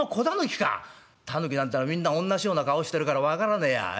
狸なんてのはみんなおんなしような顔してるから分からねえやええ？